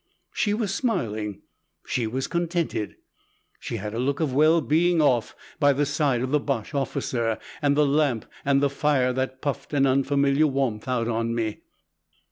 "She was smiling. She was contented. She had a look of being well off, by the side of the Boche officer, and the lamp, and the fire that puffed an unfamiliar warmth out on me.